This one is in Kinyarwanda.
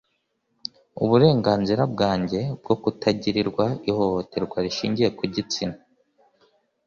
uburenganzira bwanjye bwo kutagirirwa ihohoterwa rishingiye ku gitsina